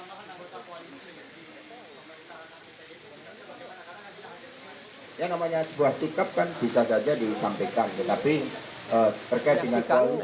bisa jangan dititpik sake